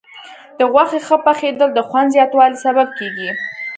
د غوښې ښه پخېدل د خوند زیاتوالي سبب کېږي.